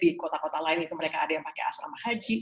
di kota kota lain itu mereka ada yang pakai asrama haji